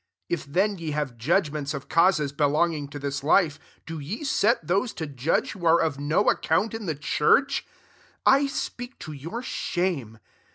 4 If then ye have judgments of causes belonging to this life, do ye set those to judge who are of no account in the church ? 5 I speak to your shame.